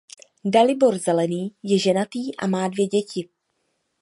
Dalibor Zelený je ženatý a má dvě děti.